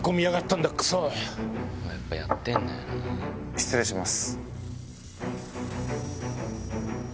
失礼します。